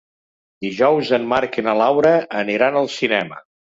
Dijous en Marc i na Laura aniran al cinema.